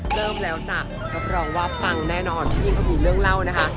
เริ่มแล้วจ้ะรับรองว่าปังแน่นอนพี่เขามีเรื่องเล่านะคะ